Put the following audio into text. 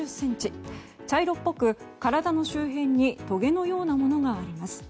茶色っぽく体の周囲にとげのようなものがあります。